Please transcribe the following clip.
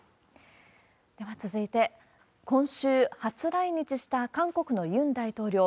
では続いて、今週、初来日した韓国のユン大統領。